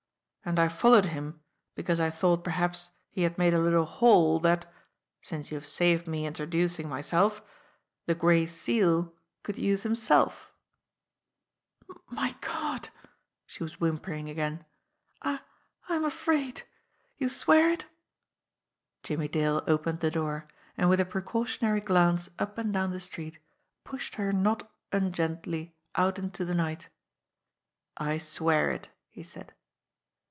and I followed him be cause I thought perhaps he had made a little haul that since you've saved me introducing myself the Gray Seal could use himself." 64 JIMMIE DALE AND THE PHANTOM CLUE "My Gawd!" She was whimpering again. "I I'm afraid. Youse swear it?" Jimmie Dale opened the door, and with a precautionary glance up and down the street, pushed her not ungently out into the night. "I swear it," he said.